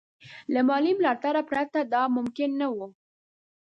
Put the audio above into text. له مالي ملاتړه پرته دا ممکن نه وو.